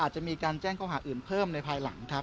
จะมีการแจ้งข้อหาอื่นเพิ่มในภายหลังครับ